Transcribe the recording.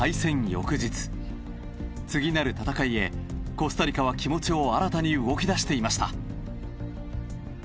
翌日次なる戦いへコスタリカは気持ちを新たに動き出していました。